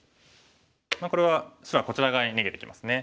これは白がこちら側に逃げてきますね。